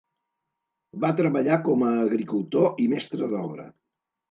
Va treballar com a agricultor i mestre d'obra.